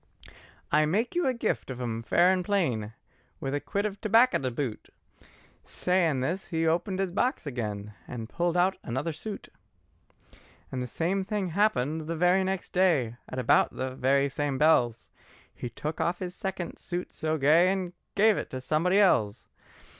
"I make you a gift on 'em fair and plain, With a quid of tobacco to boot." Sayin' this he opened his box again, And pulled out another new suit. And the same thing happened the very next day, At about the very same bells, He took off his second suit so gay, And gave it to somebody else.